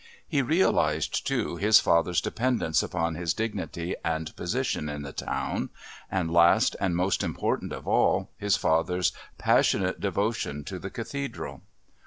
He realized, too, his father's dependence upon his dignity and position in the town, and, last and most important of all, his father's passionate devotion to the Cathedral.